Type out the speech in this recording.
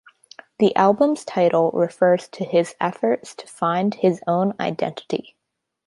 The album's title refers to his efforts to find his own identity.